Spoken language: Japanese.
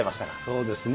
そうですね。